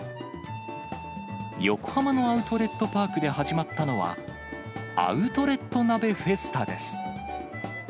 横浜のアウトレットパークで始まったのは、アウトレット鍋フェスタです。